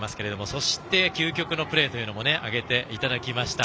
そして、究極のワンプレーも挙げていただきました。